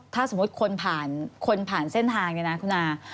ถ้าสมมติคนผ่านเส้นทาง